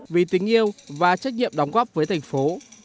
vì tình yêu và trách nhiệm đóng góp với thành phố